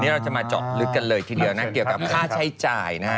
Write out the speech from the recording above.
เราจะมาเจาะลึกกันเลยทีเดียวนะเกี่ยวกับค่าใช้จ่ายนะฮะ